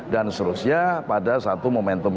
dan seterusnya pada satu momentum